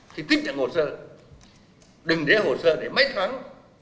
thì tiếp nhận hồ sơ đừng để hồ sơ để mấy tháng